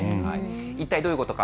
一体どういうことか。